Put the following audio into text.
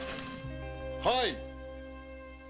はい。